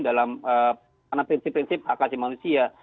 dalam karena prinsip prinsip hak asasi manusia